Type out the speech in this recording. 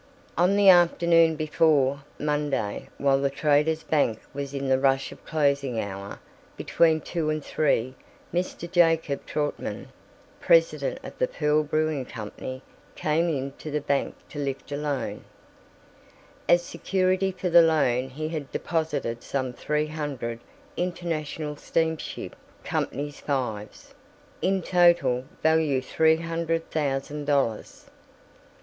On the afternoon before, Monday, while the Traders' Bank was in the rush of closing hour, between two and three, Mr. Jacob Trautman, President of the Pearl Brewing Company, came into the bank to lift a loan. As security for the loan he had deposited some three hundred International Steamship Company 5's, in total value three hundred thousand dollars.